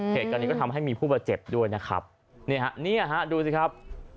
เหตุการณ์นี้ก็ทำให้มีผู้บาดเจ็บด้วยนะครับนี่ฮะเนี่ยฮะดูสิครับ